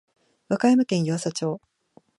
和歌山県湯浅町